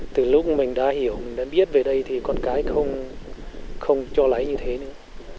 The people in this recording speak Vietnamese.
từ lúc mình đã hiểu mình đã biết về đây thì con cái không cho lấy như thế nữa